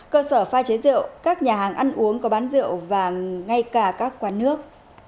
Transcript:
cơ sở phai chế rượu các nhà hàng ăn uống có bán rượu và ngay cả các quán nước